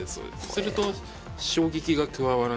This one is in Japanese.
すると衝撃が加わらないので」